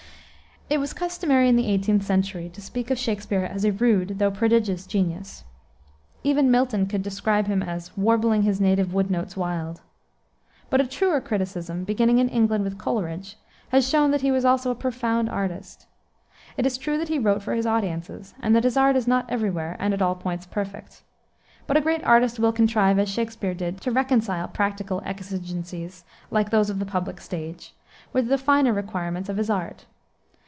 It was customary in the 18th century to speak of Shakspere as a rude though prodigious genius. Even Milton could describe him as "warbling his native wood notes wild." But a truer criticism, beginning in England with Coleridge, has shown that he was also a profound artist. It is true that he wrote for his audiences, and that his art is not every where and at all points perfect. But a great artist will contrive, as Shakspere did, to reconcile practical exigencies, like those of the public stage, with the finer requirements of his art.